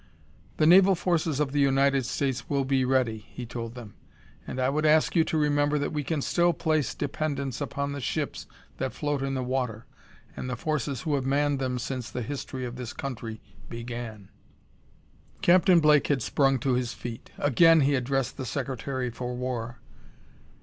"The naval forces of the United States will be ready," he told them, "and I would ask you to remember that we can still place dependence upon the ships that float in the water, and the forces who have manned them since the history of this country began." Captain Blake had sprung to his feet. Again he addressed the Secretary for War.